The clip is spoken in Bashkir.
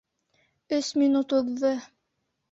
Өс минут уҙҙы.